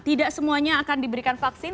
tidak semuanya akan diberikan vaksin